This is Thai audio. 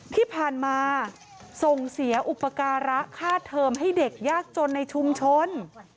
ที่ผ่านมาส่งเสียอุปการะค่าเทอมให้เด็กยากจนในชุมชน